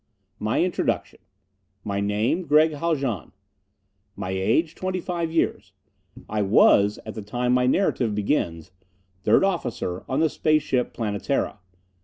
My introduction: My name, Gregg Haljan. My age, twenty five years. I was, at the time my narrative begins, Third Officer on the Space Ship Planetara.